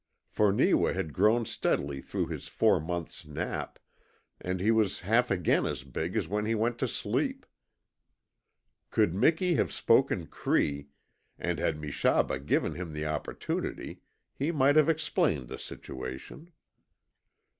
For Neewa had grown steadily through his four months' nap and he was half again as big as when he went to sleep. Could Miki have spoken Cree, and had Meshaba given him the opportunity, he might have explained the situation.